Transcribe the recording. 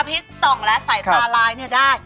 อภิษส่องแล้วใส่ตาไลน์นี่